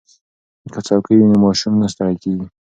که څوکۍ وي نو ماشوم نه ستړی کیږي.